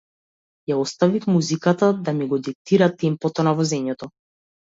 Ја оставив музиката да ми го диктира темпото на возењето.